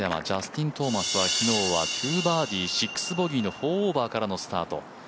ジャスティン・トーマスは昨日２バーディー６ボギーの４オーバーからのスタート。